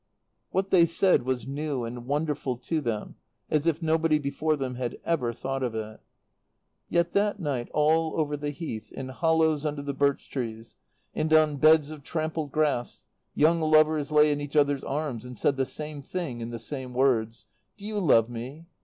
What they said was new and wonderful to them as if nobody before them had ever thought of it. Yet that night, all over the Heath, in hollows under the birch trees, and on beds of trampled grass, young lovers lay in each other's arms and said the same thing in the same words: "Do you love me?"